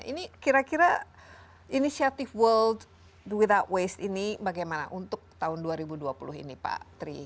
ini kira kira inisiatif world without waste ini bagaimana untuk tahun dua ribu dua puluh ini pak tri